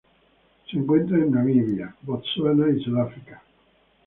Se encuentra en Namibia, Botsuana y Sudáfrica.